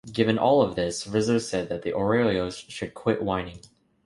Given all of this, Rizzo said that the Orioles should quit whining.